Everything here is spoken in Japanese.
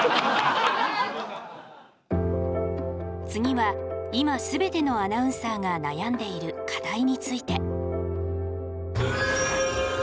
次は今すべてのアナウンサーが悩んでいる課題について。